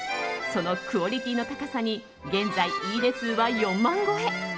そのクオリティーの高さに現在いいね数は４万超え。